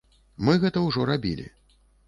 Мы гэта ўжо рабілі.